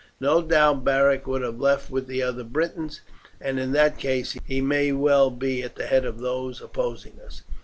No doubt Beric would have left with the other Britons, and in that case he may well be at the head of those opposing us."